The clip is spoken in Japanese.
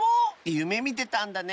ゆめみてたんだね。